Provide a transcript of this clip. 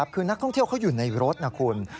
คือนักท่องเที่ยวเขาอยู่ในรถนะคุณ